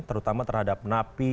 terutama terhadap narapidanya